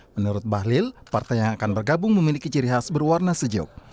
menurut bahlil partai yang akan bergabung memiliki ciri khas berwarna sejuk